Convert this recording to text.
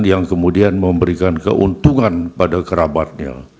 yang kemudian memberikan keuntungan pada kerabatnya